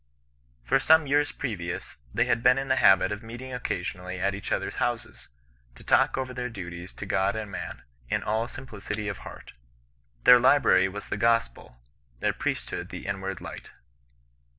For some years previous, they had been in the habit of meeting occasionally at each others' houses, to talk over their duties to God and man, in all simpli city of heart. Their library was the Gospel, their priest hood the inward light.